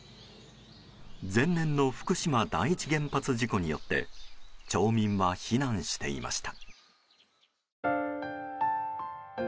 前年の福島第一原発事故によって町民は避難していました。